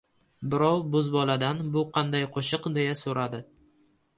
Birov bo‘zboladan: bu qanday qo‘shiq, deya so‘radi.